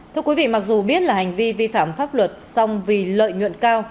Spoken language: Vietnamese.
thưa quý vị mặc dù biết là hành vi vi phạm pháp luật song vì lợi nhuận cao